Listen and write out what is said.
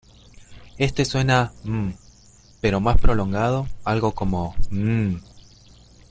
Este suena "m" pero más prolongado, algo como "mn".